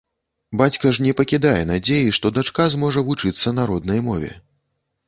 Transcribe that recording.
Бацька ж не пакідае надзеі, што дачка зможа вучыцца на роднай мове.